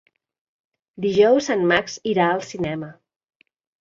Dijous en Max irà al cinema.